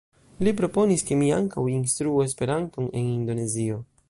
Li proponis ke mi ankaŭ instruu Esperanton en Indonezio.